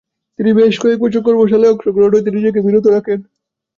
তিনি বেশ কয়েকবছর কর্মশালায় অংশগ্রহণ থেকে নিজেকে বিরত রাখেন।